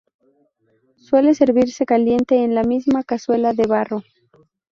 Suele servirse caliente en la misma cazuela de barro.